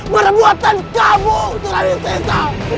berbuatan kamu surawisisa